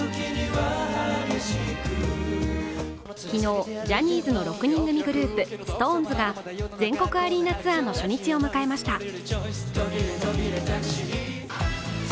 昨日、ジャニーズの６人組グループ、ＳｉｘＴＯＮＥＳが全国アリーナツアーの初日を迎えました。